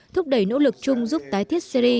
thúc đẩy nỗ lực chung giúp tái thiết syri